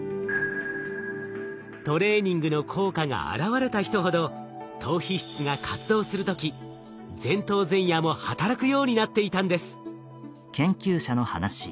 トレーニングの効果が現れた人ほど島皮質が活動する時前頭前野も働くようになっていたんです。